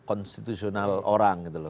konstitusional orang gitu loh